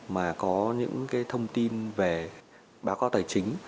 mà có những thông tin về báo cáo tài chính